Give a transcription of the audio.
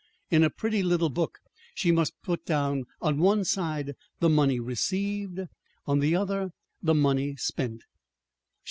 In a pretty little book she must put down on one side the money received. On the other, the money spent.